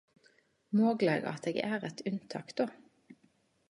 Mogleg at eg er eit unntak då.